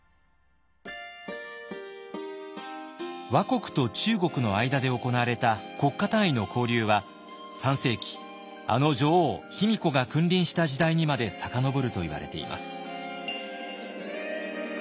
倭国と中国の間で行われた国家単位の交流は３世紀あの女王卑弥呼が君臨した時代にまで遡るといわれています。